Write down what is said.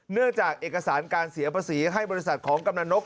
เนื่องจากเอกสารการเสียภาษีให้บริษัทของกำลังนก